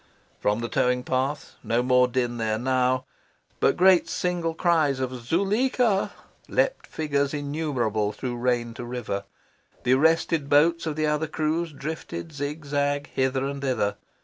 From the towing path no more din there now, but great single cries of "Zuleika!" leapt figures innumerable through rain to river. The arrested boats of the other crews drifted zigzag hither and thither.